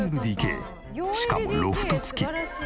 しかもロフト付き。